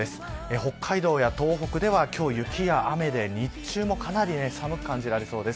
北海道や東北では雪や雨で日中もかなり寒く感じられそうです。